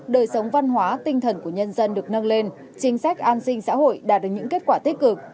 đời sống văn hóa tinh thần của nhân dân được nâng lên chính sách an sinh xã hội đạt được những kết quả tích cực